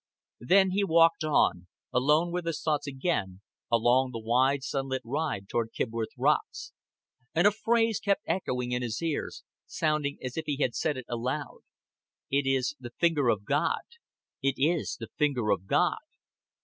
Then he walked on, alone with his thoughts again, along the wide sunlit ride toward Kibworth Rocks; and a phrase kept echoing in his ears, sounding as if he said it aloud. "It is the finger of God. It is the finger of God."